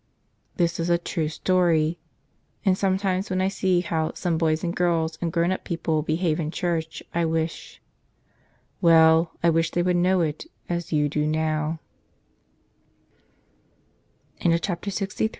This is a true story. And sometimes when I see how some boys and girls and grown up people behave in church I wish — well, I wish they would know it, as